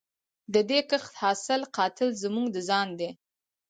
د دې کښت حاصل قاتل زموږ د ځان دی